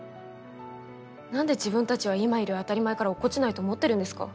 なんで自分たちは今いる「当たり前」から落っこちないと思ってるんですか？